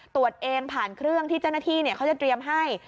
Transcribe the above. ตรวจเองผ่านเครื่องที่เจ้าหน้าที่เขาจะเตรียมให้